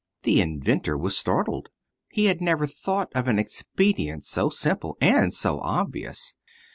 The inventor was startled. He had never thought of an expedient so simple and so obvious.